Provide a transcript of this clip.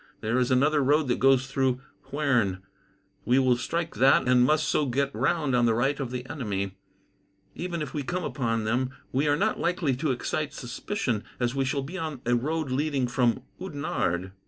There is another road that goes through Huerne. We will strike that, and must so get round on the right of the enemy. Even if we come upon them, we are not likely to excite suspicion, as we shall be on a road leading from Oudenarde.